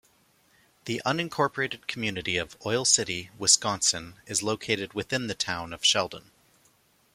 The unincorporated community of Oil City, Wisconsin is located within the town of Sheldon.